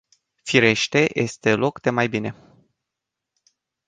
Firește, este loc de mai bine.